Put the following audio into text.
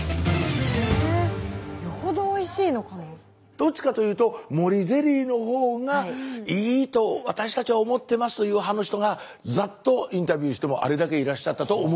どっちかというと森ゼリーのほうがいいと私たちは思ってますという派の人がざっとインタビューしてもあれだけいらっしゃったと思って下さい。